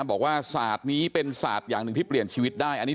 บอกว่าศาสตร์นี้เป็นศาสตร์อย่างหนึ่งที่เปลี่ยนชีวิตได้